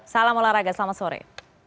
salam olahraga selamat sore